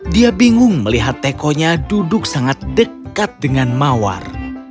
dia bingung melihat tekonya duduk sangat dekat dengan mawar